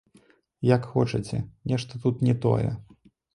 Як хочаце, нешта тут не тое.